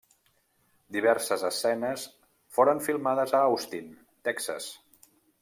Diverses escenes foren filmades a Austin, Texas.